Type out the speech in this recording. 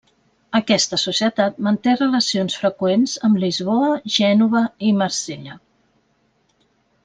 Aquesta societat manté relacions freqüents amb Lisboa, Gènova i Marsella.